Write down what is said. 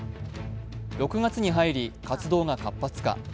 ６月に入り、活動が活発化。